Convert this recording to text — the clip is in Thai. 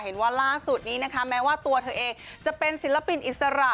ล่าสุดนี้นะคะแม้ว่าตัวเธอเองจะเป็นศิลปินอิสระ